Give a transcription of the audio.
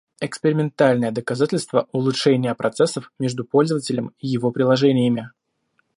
Экспериментальное доказательство улучшения процессов между пользователем и его приложениями.